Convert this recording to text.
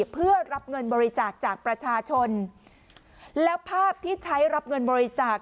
เพื่อรับเงินบริจาคจากประชาชนแล้วภาพที่ใช้รับเงินบริจาค